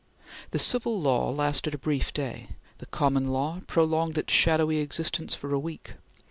The Civil Law lasted a brief day; the Common Law prolonged its shadowy existence for a week.